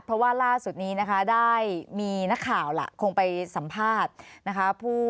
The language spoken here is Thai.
เพราะว่าล่าสุดนี้นะคะได้มีนักข่าวล่ะคงไปสัมภาษณ์นะคะ